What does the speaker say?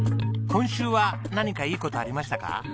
今週は何かいい事ありましたか？